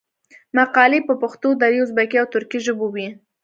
مقالي په پښتو، دري، ازبکي او ترکي ژبو وې.